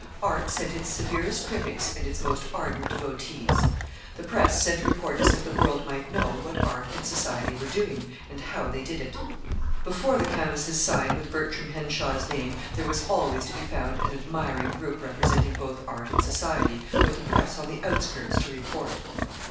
Art sent its severest critics and its most ardent devotees. The Press sent reporters that the World might know what Art and Society were doing, and how they did it. Before the canvases signed with Bertram Henshaw's name there was always to be found an admiring group representing both Art and Society with the Press on the outskirts to report.